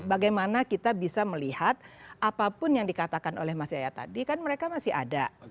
bagaimana kita bisa melihat apapun yang dikatakan oleh mas yaya tadi kan mereka masih ada